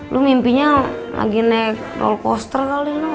lu mimpinya lagi naik roll coaster kali